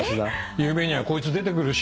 夢にはこいつ出てくるし。